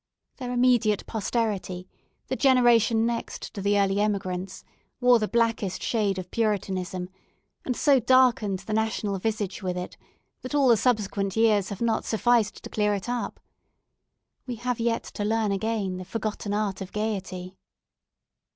Their immediate posterity, the generation next to the early emigrants, wore the blackest shade of Puritanism, and so darkened the national visage with it, that all the subsequent years have not sufficed to clear it up. We have yet to learn again the forgotten art of gaiety.